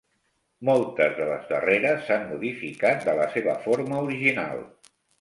Moltes de les darreres s'han modificat de la seva forma original.